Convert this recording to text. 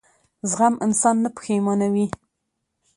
زغم انسان نه پښېمانوي.